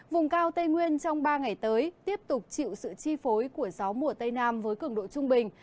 vùng cao tây nguyên trong ba ngày tới tiếp tục chịu sự chi phối của gió mùa tây nam với cường độ trung bình